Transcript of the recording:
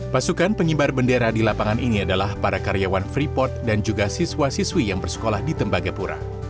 pasukan pengibar bendera di lapangan ini adalah para karyawan freeport dan juga siswa siswi yang bersekolah di tembagapura